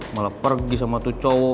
malah pergi sama tuh cowok